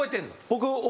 僕。